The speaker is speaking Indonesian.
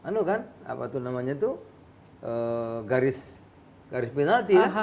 nama itu kan garis penalti